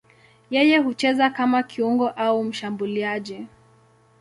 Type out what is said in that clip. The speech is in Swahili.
Yeye hucheza kama kiungo au mshambuliaji.